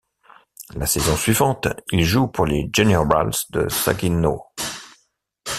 La saison suivante, il joue pour les Generals de Saginaw.